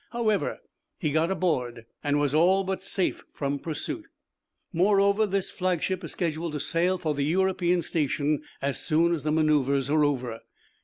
However, he got aboard, and was all but safe from pursuit. Moreover, this flagship is scheduled to sail for the European station as soon as the manoeuvres are over.